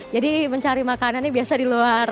jadi mencari makanan ini biasa di luar